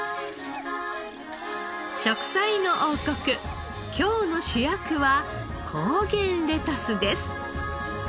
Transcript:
『食彩の王国』今日の主役は高原レタスです。